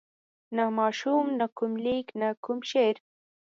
نه ماشوم نه کوم لیک نه کوم شعر.